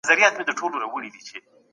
تر پېښي دمخه هر څه سم وه.